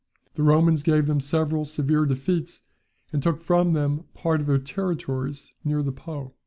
The Romans gave them several severe defeats, and took from them part of their territories near the Po.